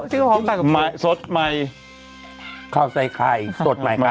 ที่เขาพ้อกลางกับสดใหม่เข้าใส่ไข่สดใหม่ค่ะ